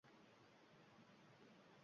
ishlab turishini ta’minlaydi;